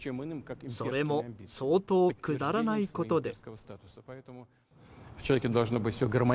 それも相当、くだらないことで。